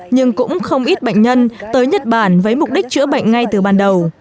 nhưng cũng không ít bệnh nhân tới nhật bản với mục đích chữa bệnh ngay từ ban đầu